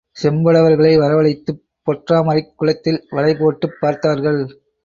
செம்படவர்களை வரவழைத்துப் பொற்றாமரைக் குளத்தில் வலைபோட்டுப் பார்த்தார்கள்.